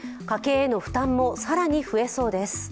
家計への負担も更に増えそうです。